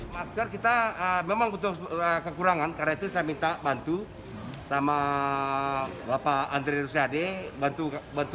masker kita memang butuh kekurangan karena itu saya minta bantu sama bapak andre rosiade bantu